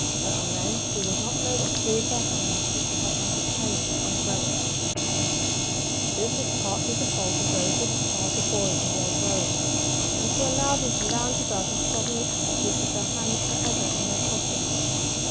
There are men who would not know what to do with their hands if they had not a cane or umbrella. [Sidenote: A word to parents.] This is partly the fault of those who have charge of boys when they are growing and who allow them to lounge about in slovenly attitudes with their hands for ever in their pockets.